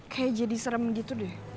kayak jadi serem gitu deh